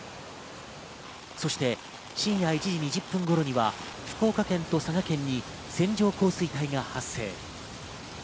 そして深夜１時２０分頃には福岡県と佐賀県に線状降水帯が発生。